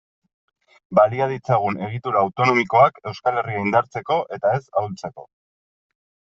Balia ditzagun egitura autonomikoak Euskal Herria indartzeko eta ez ahultzeko.